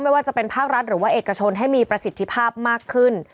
ไม่ว่าจะเป็นภาครัฐหรือว่าเอกชนให้มีประสิทธิภาพมากขึ้น